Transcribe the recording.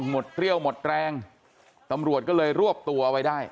เปรี้ยวหมดแรงตำรวจก็เลยรวบตัวไว้ได้